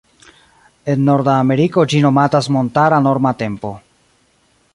En norda Ameriko ĝi nomatas "Montara Norma Tempo".